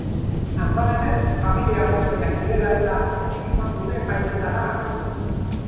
Antza denez, familia arrazoiak direla-eta ezin izan dute epaiketara agertu.